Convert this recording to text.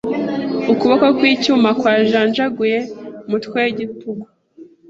Ukuboko kwicyuma kwajanjaguye umutwe wigitugu